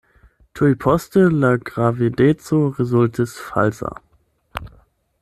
Tuj poste, la gravedeco rezultis falsa.